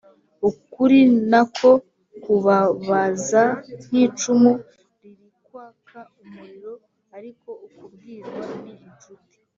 Ukuri nako kubabaza nk'icumu ririkwaka umuriro, ariko ukubwirwa ni inshuti.